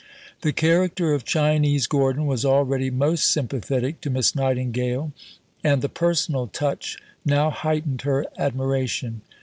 The character of "Chinese Gordon" was already most sympathetic to Miss Nightingale, and the personal touch now heightened her admiration.